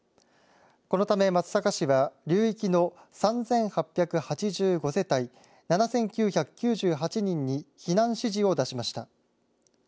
このため、松阪市は流域の３８８５世帯７９９８人に避難指示を出しました。